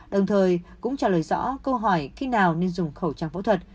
đồng thời cũng trả lời rõ câu hỏi khi nào nên dùng khẩu trang phẫu thuật